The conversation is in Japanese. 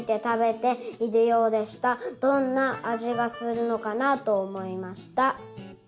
どんなあじがするのかなと思いました」。